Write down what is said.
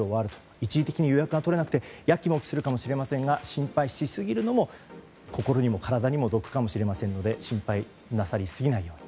一時的に予約が取れなくてやきもきするかもしれませんが心配しすぎるのは体にも心にも毒かもしれませんので心配しすぎないように。